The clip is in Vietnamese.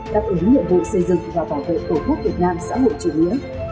đáp ứng nhiệm vụ xây dựng và bảo vệ tổ quốc việt nam xã hội chủ nghĩa